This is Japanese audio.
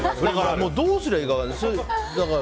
どうすればいいのか。